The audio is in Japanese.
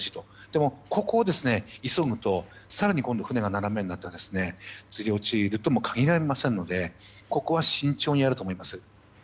でも、ここで急ぐと更に今度は船が斜めになってずり落ちるとも限りませんのでここは慎重にやると思います。